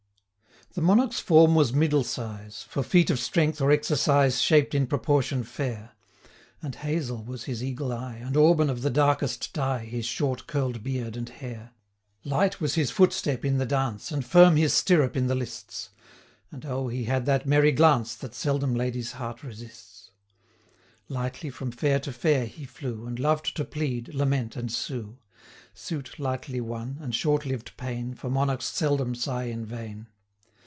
The Monarch's form was middle size; For feat of strength, or exercise, Shaped in proportion fair; 230 And hazel was his eagle eye, And auburn of the darkest dye, His short curl'd beard and hair. Light was his footstep in the dance, And firm his stirrup in the lists; 235 And, oh! he had that merry glance, That seldom lady's heart resists. Lightly from fair to fair he flew, And loved to plead, lament, and sue; Suit lightly won, and short lived pain, 240 For monarchs seldom sigh in vain.